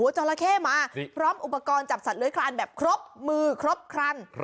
จราเข้มาพร้อมอุปกรณ์จับสัตว์เลื้อยคลานแบบครบมือครบครัน